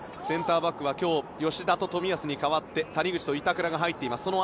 センターバックは今日、吉田と冨安に代わって谷口と板倉が入っています。